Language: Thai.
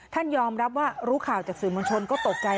ยอมรับว่ารู้ข่าวจากสื่อมวลชนก็ตกใจ